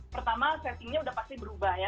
pertama settingnya sudah pasti berubah ya